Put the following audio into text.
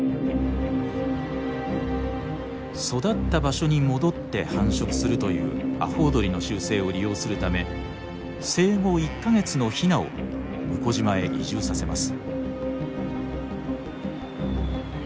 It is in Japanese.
育った場所に戻って繁殖するというアホウドリの習性を利用するため生後１か月のヒナを聟島へ移住させます。